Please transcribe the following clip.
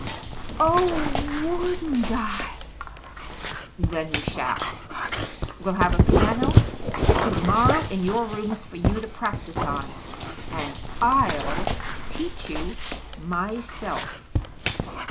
"Oh, wouldn't I!" "Then you shall! We'll have a piano tomorrow in your rooms for you to practise on. And I'll teach you myself."